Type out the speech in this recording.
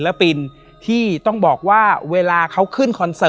และยินดีต้อนรับทุกท่านเข้าสู่เดือนพฤษภาคมครับ